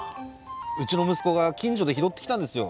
うちの息子が近所で拾ってきたんですよ